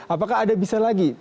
apakah ada bisa lagi